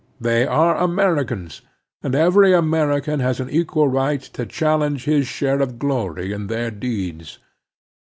. They are Americans, and every American has an equal right to challenge his share of glory in their deeds.